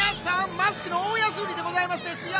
マスクの大やすうりでございますですよ。